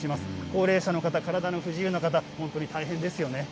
高齢者の方、体の不自由な方、本当に大変ですよね。